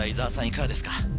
いかがですか？